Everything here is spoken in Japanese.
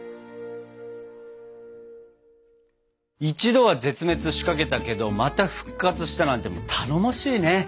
一度は絶滅しかけたけどまた復活したなんてもう頼もしいね！